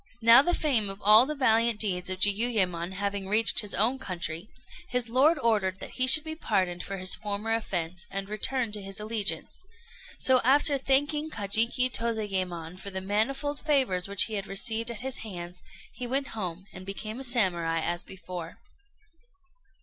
] Now the fame of all the valiant deeds of Jiuyémon having reached his own country, his lord ordered that he should be pardoned for his former offence, and return to his allegiance; so, after thanking Kajiki Tozayémon for the manifold favours which he had received at his hands, he went home, and became a Samurai as before.